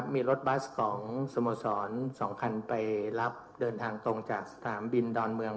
มีรถบัสของสโมสร๒คันไปรับเดินทางตรงจากสนามบินดอนเมือง